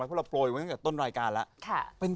เพราะเราโปรยไว้ตั้งแต่ต้นรายการแล้ว